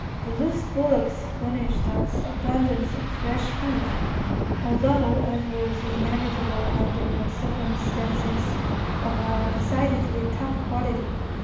The loose bullocks furnished us abundance of fresh beef, although, as was inevitable under the circumstances, of a decidedly tough quality.